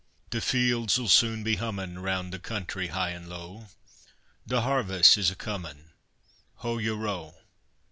De fiel's 'll soon be hummin' Roun' de country high en low; De harves' is a comin': Hoe yo' row!